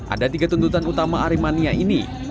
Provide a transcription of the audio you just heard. ada tiga tuntutan utama aremania ini